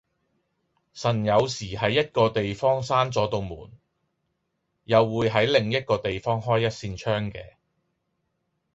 神有時喺一個地方閂左度門，又會喺另一個地方開一扇窗嘅